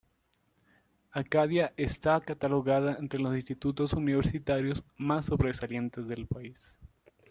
Acadia está catalogada entre los institutos universitarios más sobresalientes del país.